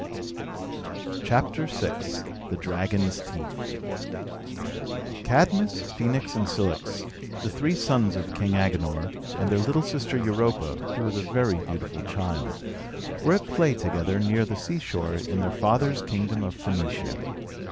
CHAPTER VI THE DRAGON'S TEETH Cadmus, Phœnix, and Cilix, the three sons of King Agenor, and their little sister Europa (who was a very beautiful child) were at play together, near the seashore, in their father's kingdom of Phœnicia.